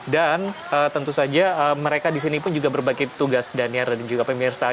dan tentu saja mereka di sini pun juga berbagi tugas danir dan juga pemirsa